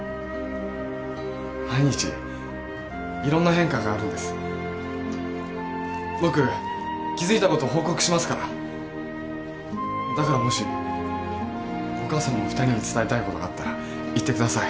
毎日いろんな変化があるんです僕気づいたこと報告しますからだからもしお母さんも二人に伝えたいことがあったら言ってください